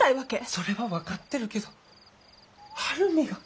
それは分かってるけど晴海が。